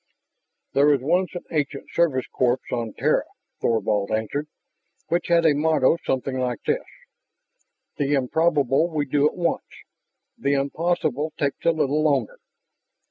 "There was once an ancient service corps on Terra," Thorvald answered, "which had a motto something like this: 'The improbable we do at once; the impossible takes a little longer.'